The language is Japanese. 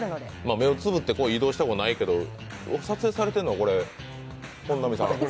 目をつぶって移動したことはないけど、撮影されてるのは本並さん？